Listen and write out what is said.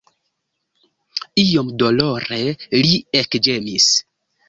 Iom dolore li ekĝemis.